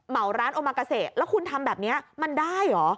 ร้านโอมากาเซแล้วคุณทำแบบนี้มันได้เหรอ